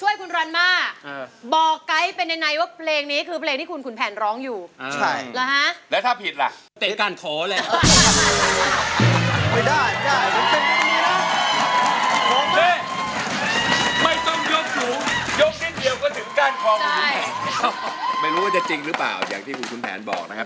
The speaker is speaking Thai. ยกเดี๋ยวก็ถึงการขอบุญใหม่ไม่รู้ว่าจะจริงหรือเปล่าอย่างที่คุณแผนบอกนะครับ